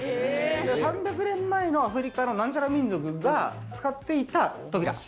３００年前のアフリカのなんちゃら民族が使っていた扉。